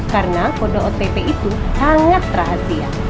karena kode otp itu sangat rahasia